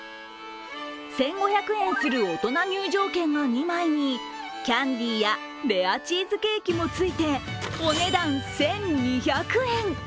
１５００円する大人入場券の２枚にキャンディーやレアチーズケーキもついて、お値段１２００円。